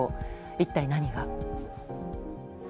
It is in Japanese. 一体、何が。